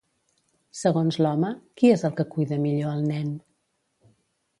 Segons l'home, qui és el que cuida millor al nen?